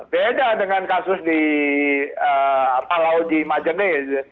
beda dengan kasus di laut di majene